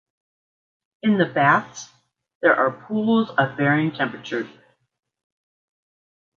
In the baths there are pools of varying temperature.